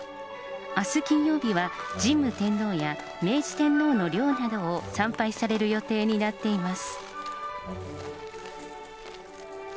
あす金曜日は、神武天皇や明治天皇の陵などを参拝される予定になっています。